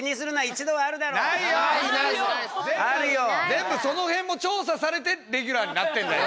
全部その辺も調査されてレギュラーになってんだよ。